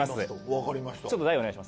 わかりました。